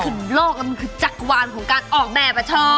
มันคือโลกแล้วมันคือจักรวรรณ์ของการออกแบบอะเถอะ